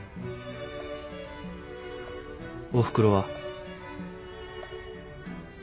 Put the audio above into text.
おふくろは？